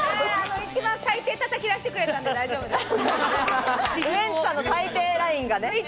一番最低叩き出してくれたんで大丈夫です。